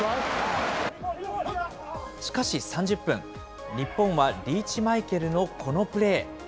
しかし３０分、日本はリーチマイケルのこのプレー。